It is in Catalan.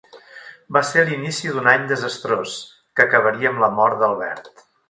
Va ser l'inici d'un any desastrós, que acabaria amb la mort d'Albert.